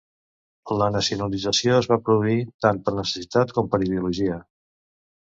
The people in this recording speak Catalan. La nacionalització es va produir tant per necessitat com per ideologia.